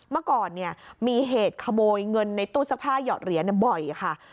เมื่อก่อนมีเหตุขโมยเงินในตู้ซักผ้าหยอดเหรียญบ่อยค่ะ